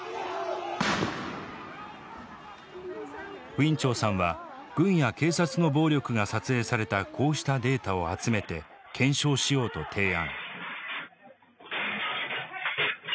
ウィン・チョウさんは軍や警察の暴力が撮影されたこうしたデータを集めて検証しようと提案。